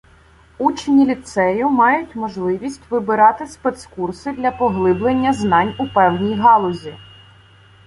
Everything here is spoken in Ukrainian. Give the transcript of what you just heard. Учні ліцею мають можливість вибирати спецкурси для поглиблення знань у певній галузі.